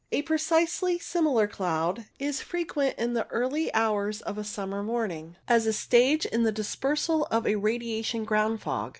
A precisely similar cloud is frequent in the early hours of a summer morning, as a stage in the dispersal of a radiation ground fog.